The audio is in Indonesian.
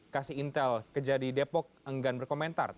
kasih intel kejadi depok enggan berkomentar